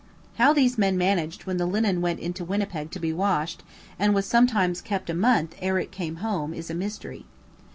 How these men managed when the linen went into Winnipeg to be washed, and was sometimes kept a month ere it came home, is a mystery.